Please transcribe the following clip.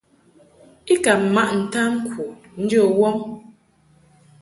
I ka maʼ ntamku njə wɔm.